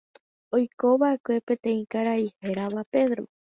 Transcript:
Oikova'ekue peteĩ karai hérava Pedro.